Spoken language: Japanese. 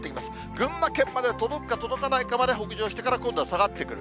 群馬県まで届くか届かないかまで北上してから、今度は下がってくる。